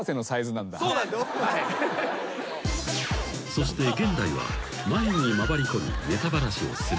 ［そして現代は前に回りこみネタバラシをするが］